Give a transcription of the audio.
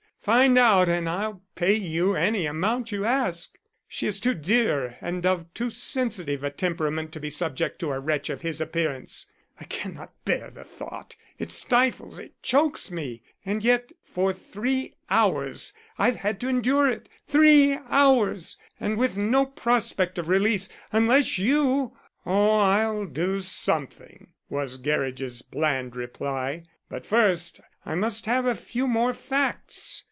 Find out and I'll pay you any amount you ask. She is too dear and of too sensitive a temperament to be subject to a wretch of his appearance. I cannot bear the thought. It stifles, it chokes me; and yet for three hours I've had to endure it. Three hours! and with no prospect of release unless you " "Oh, I'll do something," was Gerridge's bland reply. "But first I must have a few more facts.